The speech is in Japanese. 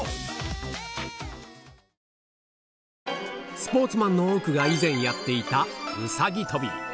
スポーツマンの多くが以前やっていたうさぎ跳び。